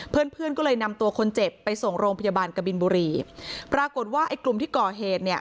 เพื่อนก็เลยนำตัวคนเจ็บไปส่งโรงพยาบาลกับบิลบุรีปรากฏว่ากลุ่มที่ก่อเหตุ